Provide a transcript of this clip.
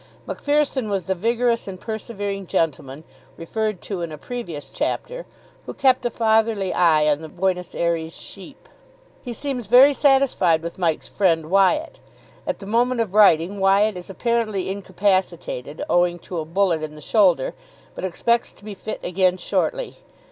MacPherson was the vigorous and persevering gentleman, referred to in a previous chapter, who kept a fatherly eye on the Buenos Ayres sheep. "He seems very satisfied with Mike's friend Wyatt. At the moment of writing Wyatt is apparently incapacitated owing to a bullet in the shoulder, but expects to be fit again shortly.